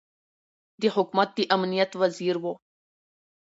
د حکومت د امنیت وزیر ؤ